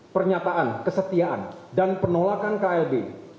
pernyataan kesetiaan dan penolakan klb